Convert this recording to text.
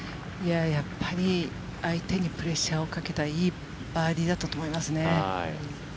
やっぱり相手にプレッシャーをかけたいいバーディーだったと思いますね。